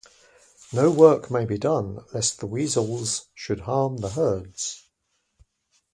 No work may be done, lest the weasels should harm the herds.